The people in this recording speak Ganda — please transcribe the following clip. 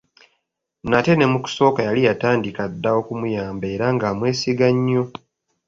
Nate ne mu kusooka yali yatandika dda okumuyamba era nga amwesiga nnyo.